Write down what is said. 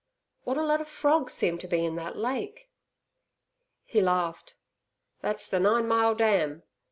"What a lot of frogs seem to be in that lake!" He laughed. "That's ther Nine Mile Dam!"